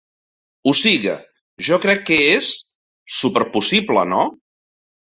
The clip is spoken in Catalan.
O siga, jo crec que és... súper possible, no?